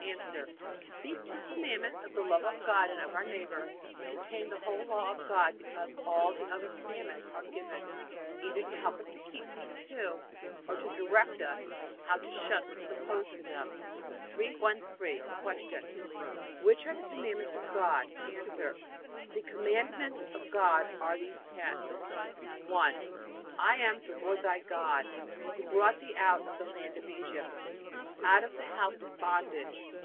A. These two Commandments of the love of God and of our neighbor contain the whole law of God because all the other Commandments are given either to help us to keep these two, or to direct us how to shun what is opposed to them. 313. Q. Which are the Commandments of God? A. The Commandments of God are these ten. 1. I am the Lord thy God, who brought thee out of the land of Egypt, out of the house of bondage.